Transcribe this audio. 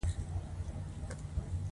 په چورتونو کښې ډوب سوم.